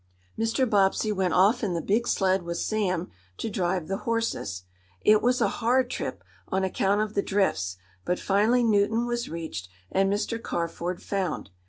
Mr. Bobbsey went off in the big sled with Sam to drive the horses. It was a hard trip, on account of the drifts, but finally Newton was reached and Mr. Carford found.